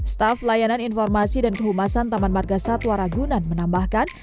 staf layanan informasi dan kehumasan taman marga satwa ragunan menambahkan